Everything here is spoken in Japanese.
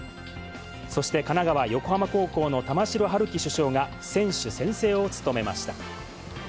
そして神奈川・横浜高校の玉城陽希主将が、選手宣誓を務めました。